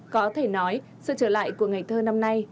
có thể nói sự trở lại của ngày thơ năm nay